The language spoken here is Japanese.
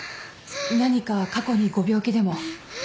何か過去にご病気でも？